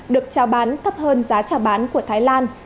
được trao bán thấp hơn giá trào bán của thái lan